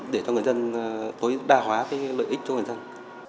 để cho người dân đa hóa cái lợi ích cho người dân